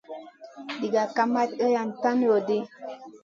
Diga kamat iyran tan loɗi.